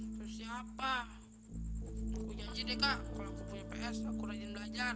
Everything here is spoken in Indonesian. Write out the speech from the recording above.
terus siapa buku janji deh kak kalau aku punya ps aku rajin belajar